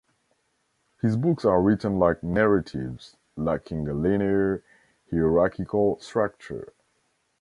His books are written like narratives, lacking a linear, hierarchical structure.